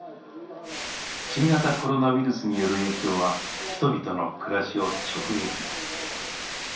新型コロナウイルスによる影響は人々の暮らしを直撃。